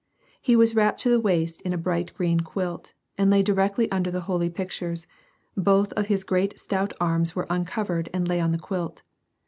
He was wrapped to the waist in a l^riglit green quilt, and lay directly under the holy pictures ; both of his great stout arms were uncovered and lay on the quilt.